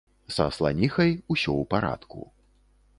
Са сланіхай усё ў парадку.